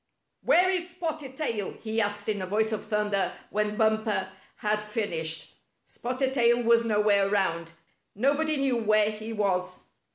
"Where is Spotted Tail?" he asked in a voice of thunder when Bumper had finished. Spotted Tail was nowhere around. Nobody knew where he was.